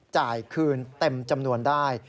จ่ายคืนเต็มจำนวนได้